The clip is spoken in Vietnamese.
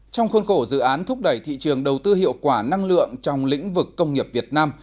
trong khuôn khổ dự án thúc đẩy thị trường đầu tư hiệu quả năng lượng trong lĩnh vực công nghiệp việt nam